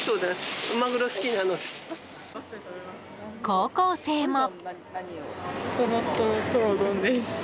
高校生も。